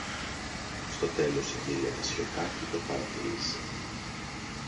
Στο τέλος η κυρία Βασιωτάκη το παρατήρησε.